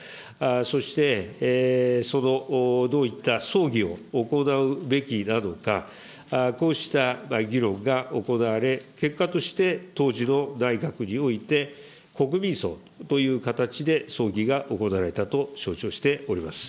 そして、そのどういった葬儀を行うべきなのか、こうした議論が行われ、結果として、当時の内閣において、国民葬という形で葬儀が行われたと承知をしております。